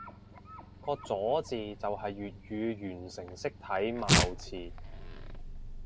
個咗字就係粵語完成式體貌詞